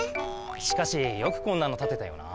しかしよくこんなのたてたよな。